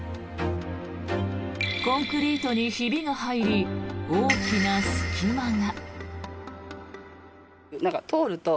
コンクリートにひびが入り大きな隙間が。